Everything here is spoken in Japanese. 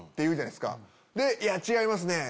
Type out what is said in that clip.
「いや違いますね